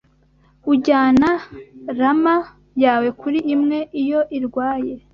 Ujyana llama yawe kuri imwe iyo irwaye